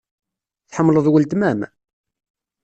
Tḥemmleḍ weltma-m?